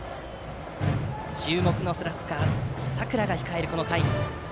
注目のスラッガー、佐倉が控えるこの回。